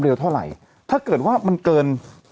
รถเนี่ย